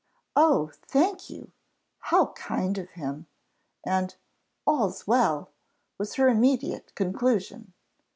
"Oh, thank you! How kind of him!" and "all's well," was her immediate conclusion.